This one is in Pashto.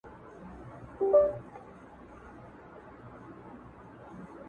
انسانانو اوس له ما دي لاس پرېولي!.